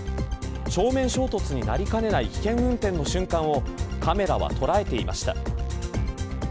正面衝突になりかねない危険運転の瞬間をカメラは捉えていました。